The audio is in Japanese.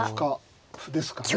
歩ですかね。